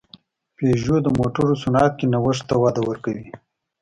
پيژو د موټرو صنعت کې نوښت ته وده ورکوي.